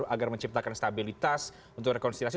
agar menciptakan stabilitas untuk rekonsiliasi